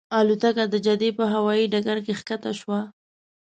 الوتکه د جدې په هوایي ډګر کې ښکته شوه.